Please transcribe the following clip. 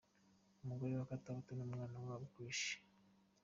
Umugore wa Katauti n'umwana wabo Krish!.